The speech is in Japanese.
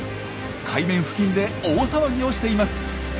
海面付近で大騒ぎをしています。